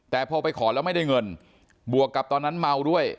แต่พอไปขอแล้วไม่ได้เงินบวกกับตอนนั้นเมาด้วย